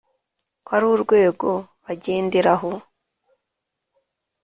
ko ari urwego bagenderaho